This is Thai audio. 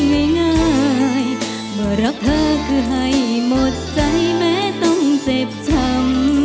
มารับเธอคือให้หมดใจแม้ต้องเจ็บช้ำ